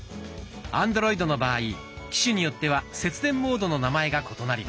アンドロイドの場合機種によっては節電モードの名前が異なります。